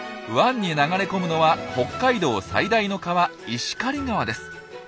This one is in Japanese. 湾に流れ込むのは北海道最大の川石狩川です。